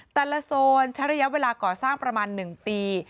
โซนใช้ระยะเวลาก่อสร้างประมาณ๑ปี